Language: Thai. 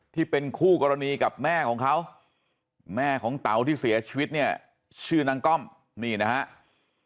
ที่เป็นคู่กรณีกับแม่ของเขาแม่ของเต๋าที่เสียชีวิตเนี่ยชื่อนางก้อมนี่นะครับ